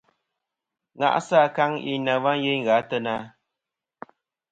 Ŋa'sɨ akaŋ yeyn na va yeyn gha a teyna.